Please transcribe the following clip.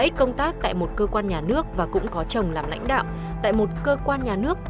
ích công tác tại một cơ quan nhà nước và cũng có chồng làm lãnh đạo tại một cơ quan nhà nước